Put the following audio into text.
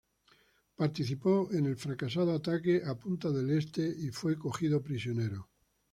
Participó en el fracasado ataque a Punta del Este y fue tomado prisionero.